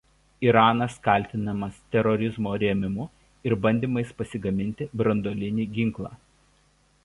Iranas kaltinamas terorizmo rėmimu ir bandymais pasigaminti branduolinį ginklą.